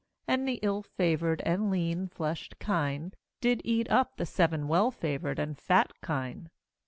4And the ill favoured and lean fleshed kine did eat up the seven well favoured and fat kine.